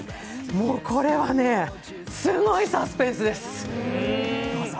もうこれはね、すごいサスペンスです、どうぞ。